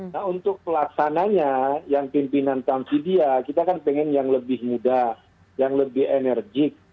nah untuk pelaksananya yang pimpinan tamsidia kita kan pengen yang lebih muda yang lebih enerjik